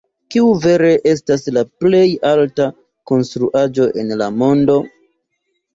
Kiu vere estas la plej alta konstruaĵo en la mondo?